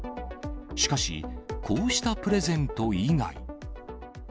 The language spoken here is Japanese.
しかし、こうしたプレゼント以外。